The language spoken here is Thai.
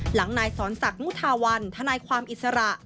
หลังนายสอนศักดิ์มุทาวันทนายความอิสระ